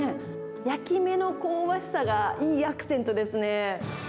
焼き目の香ばしさが、いいアクセントですね。